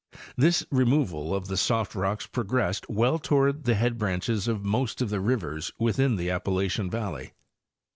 This removal of the soft rocks progressed well toward the head branches of most of the rivers within the Appalachian yalley.